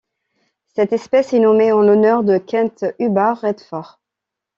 Cette espèce est nommée en l'honneur de Kent Hubbard Redford.